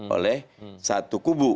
oleh satu kubu